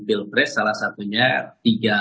pilpres salah satunya tiga